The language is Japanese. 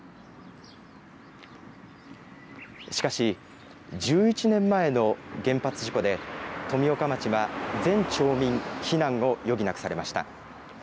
しかし、１１年前の原発事故で、富岡町は全町民避難を余儀なくされました。